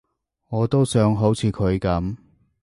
我都想好似佢噉